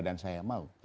dan saya mau